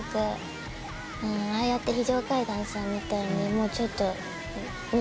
ああやって非常階段さんみたいにもうちょっと。